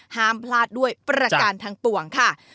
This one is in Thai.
ห้ามพลาดด้วยประการทางปวงค่ะ